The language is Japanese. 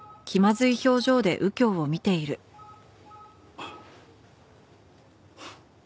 あっ。